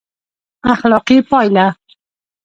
اخلاقي پایله: